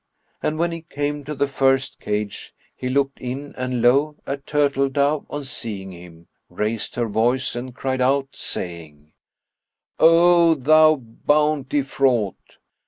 And when he came to the first cage he looked in and lo! a turtle dove, on seeing him, raised her voice and cried out, saying, "O Thou Bounty fraught!"